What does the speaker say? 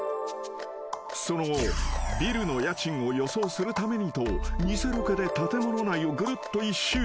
［その後ビルの家賃を予想するためにと偽ロケで建物内をぐるっと一周］